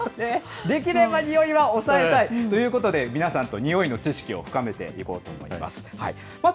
できればにおいは抑えたいということで、皆さんとにおいの知識を深めていこうと思ってます。